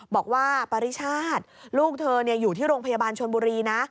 บอกว่าปริชาติลูกเธออยู่ที่โรงพยาบาลชนบุรีนะ